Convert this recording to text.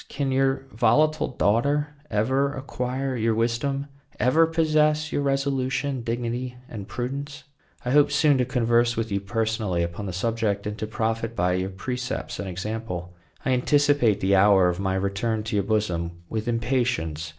can your volatile daughter ever acquire your wisdom ever possess your resolution, dignity, and prudence? I hope soon to converse with you personally upon the subject, and to profit by your precepts and example. I anticipate the hour of my return to your bosom with impatience.